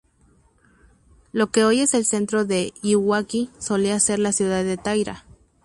Lo que hoy es el centro de Iwaki, solía ser la ciudad de Taira.